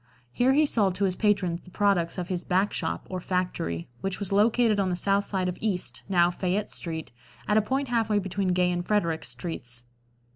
Here he sold to his patrons the products of his "back shop" or factory, which was located on the south side of East, now Fayette street, at a point half way between Gay and Frederick streets.